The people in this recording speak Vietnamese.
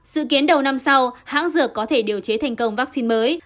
dự kiến đầu năm sau hãng dược có thể điều chế thành công vaccine mới